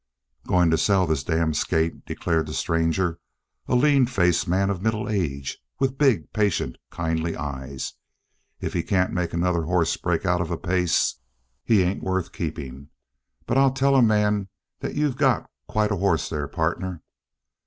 "Going to sell this damned skate," declared the stranger, a lean faced man of middle age with big, patient, kindly eyes. "If he can't make another hoss break out of a pace, he ain't worth keeping! But I'll tell a man that you got quite a hoss there, partner!"